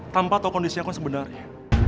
tanpa tau kondisi aku yang sebenarnya